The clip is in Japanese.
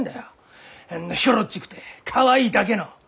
あんなひょろっちくてかわいいだけの！